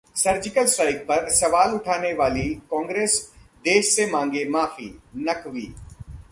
surgical strike पर सवाल उठाने वाली कांग्रेस देश से मांगे माफी: नकवी